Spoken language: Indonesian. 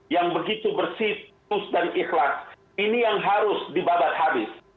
yang begitu bersih terus dan ikhlas ini yang harus dibabat habis